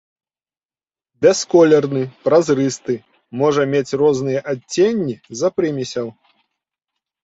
Бясколерны, празрысты, можа мець розныя адценні з-за прымесяў.